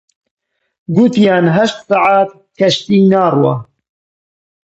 گوتیان هەشت سەعات کەشتی ناڕوا